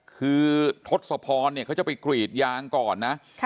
คือทศพรเนี่ยเขาจะไปกรีดยางก่อนนะ